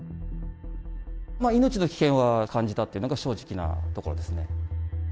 命の危険は感じたっていうのが正直なところですね。